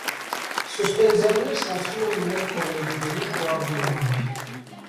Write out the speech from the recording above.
Սուսպենզիաներ ստացվում են նաև կո լոիդների կոագուլմամբ։